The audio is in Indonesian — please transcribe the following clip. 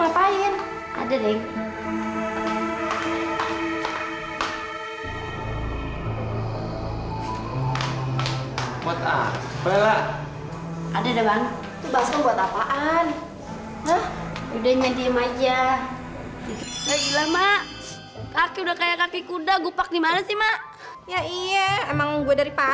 sampai jumpa di video selanjutnya